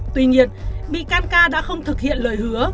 tuy nhiên bị can ca đã không thực hiện lời hứa